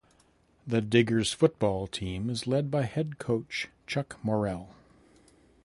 The Diggers football team is led by head coach Chuck Morrell.